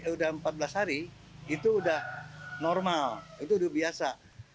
itu udah normal itu udah biasa